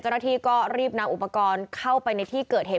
เจ้าหน้าที่ก็รีบนำอุปกรณ์เข้าไปในที่เกิดเหตุ